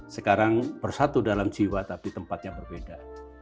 sekarang bersatu dalam jiwa tapi tempatnya berbeda